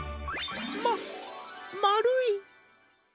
ままるい！